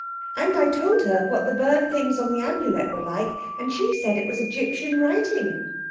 And I told her what the bird things on the Amulet were like. And she said it was Egyptian writing."